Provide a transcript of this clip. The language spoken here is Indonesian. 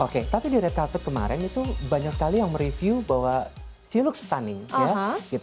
oke tapi di red carpet kemarin itu banyak sekali yang mereview bahwa si lux stunning ya